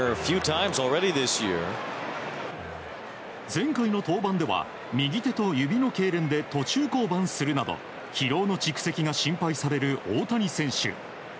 前回の登板では右手と指のけいれんで途中降板するなど疲労の蓄積が心配される大谷選手。